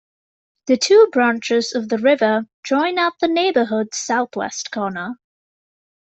The two branches of the river join at the neighbourhood's southwest corner.